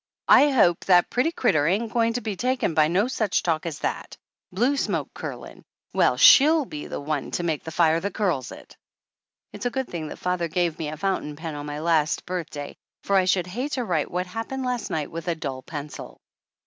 "I hope that pretty critter ain't goin' to be took in by no such talk as that! Blue smoke curlin' ! Well, she'll be the one to make the fire that curls it!" It's a good thing that father gave me a foun tain pen on my last birthday, for I should hate to write what happened last night with a dull pencil. Mrs.